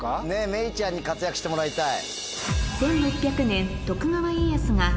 めいちゃんに活躍してもらいたい。